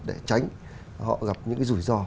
để tránh họ gặp những cái rủi ro